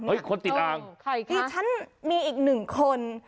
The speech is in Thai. คนติดอ่างที่ฉันมีอีกหนึ่งคน